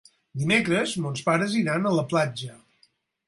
Dimecres mons pares iran a la platja.